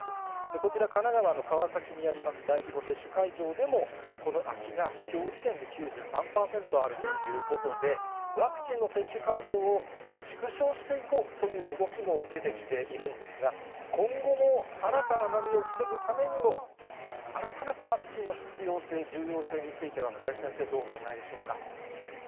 こちら、神奈川の川崎にあります、大規模接種会場でも、この空きがきょう時点で９３％あるということで、ワクチンの接種会場を縮小していこうという動きも出てきているんですが、今後の新たな波を防ぐためにも、改めてワクチンの必要性、重要性については、小林先生、どうお考えでしょうか。